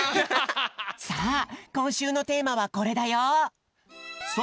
さあこんしゅうのテーマはこれだよ！